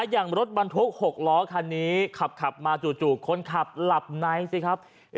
อย่างรถบรรทุก๖ล้อคันนี้ขับมาจู่คนขับหลับในสิครับ